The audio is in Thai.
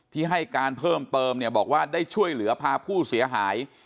ที่ให้การเพิ่มเติมเนี่ยบอกว่าได้ช่วยเหลือพาผู้เสียหาย